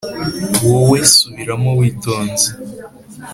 wowe subiramo witonze